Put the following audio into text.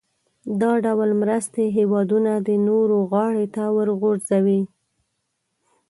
دا ډول مرستې هېوادونه د نورو غاړې ته ورغورځوي.